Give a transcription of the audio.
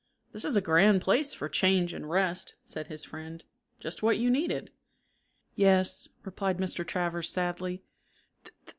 "This is a grand place for change and rest," said his friend. "Just what you needed." "Yes," replied Mr. Travers, sadly.